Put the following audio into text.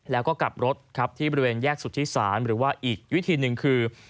แล้วก็กลับรถครับที่บริเวณแยกสุธิศาลหรือว่าอีกวิธีหนึ่งคือ